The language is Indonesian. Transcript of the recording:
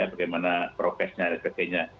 bagaimana prosesnya dan sebagainya